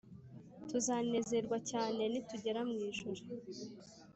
tuzanerwa cyane ni tugera mu ijuru